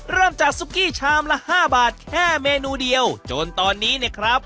เริ่มจากซุกกี้ชามละห้าบาทแค่เมนูเดียวจนตอนนี้เนี่ยครับ